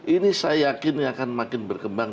ini saya yakin akan makin berkembang